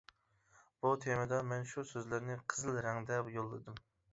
بۇ تېمىدا مەن شۇ سۆزلەرنى قىزىل رەڭدە يوللىدىم.